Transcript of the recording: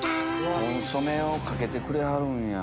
コンソメをかけてくれはるんや。